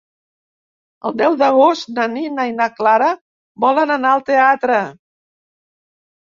El deu d'agost na Nina i na Clara volen anar al teatre.